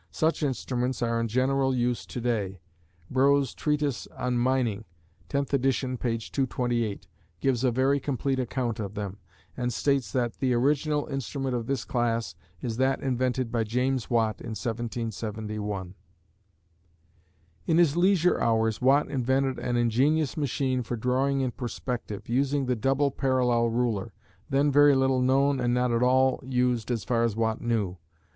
Such instruments are in general use to day. Brough's treatise on "Mining" (10th ed., p. 228) gives a very complete account of them, and states that "the original instrument of this class is that invented by James Watt in 1771." In his leisure hours, Watt invented an ingenious machine for drawing in perspective, using the double parallel ruler, then very little known and not at all used as far as Watt knew.